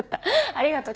ありがとう。